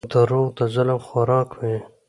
• دروغ د ظلم خوراک وي.